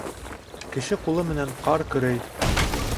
Кеше ҡулы менән ҡар көрәй.